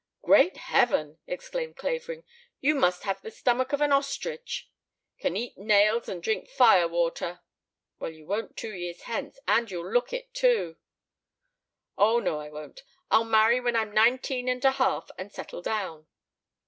"Great heaven!" exclaimed Clavering. "You must have the stomach of an ostrich." "Can eat nails and drink fire water." "Well, you won't two years hence, and you'll look it, too." "Oh, no I won't. I'll marry when I'm nineteen and a half and settle down."